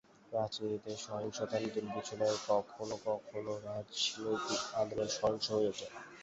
রাজনীতিতে সহিংসতা নতুন কিছু নয়, কখনো কখনো রাজনৈতিক আন্দোলন সহিংস হয়ে ওঠে।